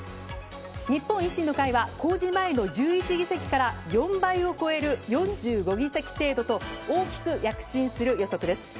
日本維新の会は公示前の１１議席から４倍を超える４５議席程度と、大きく躍進する予測です。